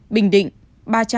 bình định bốn trăm linh hai